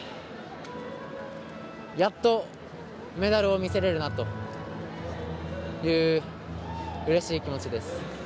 やっとメダルを見せれるなといううれしい気持ちです。